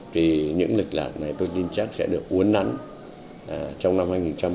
thì những lệch lạc này tôi tin chắc sẽ được uốn nắn trong năm hai nghìn một mươi bảy